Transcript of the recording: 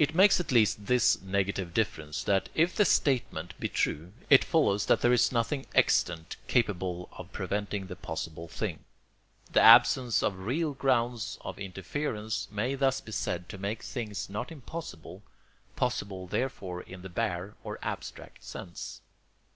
It makes at least this negative difference that if the statement be true, it follows that there is nothing extant capable of preventing the possible thing. The absence of real grounds of interference may thus be said to make things not impossible, possible therefore in the bare or abstract sense.